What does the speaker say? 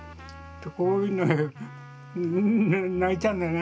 こういうの泣いちゃうんだよな。